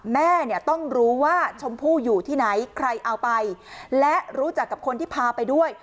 แม่เนี่ยต้องรู้ว่าชมพู่อยู่ที่ไหนใครเอาไปและรู้จักกับคนที่พาไปด้วย